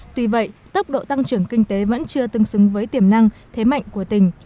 tuy vậy tốc độ tăng trưởng kinh tế vẫn chưa tương xứng với tiềm năng thế mạnh của tỉnh